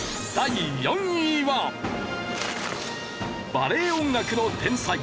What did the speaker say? バレエ音楽の天才！